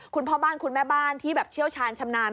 คุณพ่อบ้านคุณแม่บ้านที่แบบเชี่ยวชาญชำนาญ